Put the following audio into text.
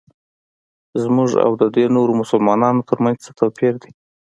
زموږ او ددې نورو مسلمانانو ترمنځ څه توپیر دی.